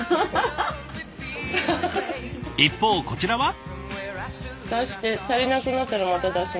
一方こちらは？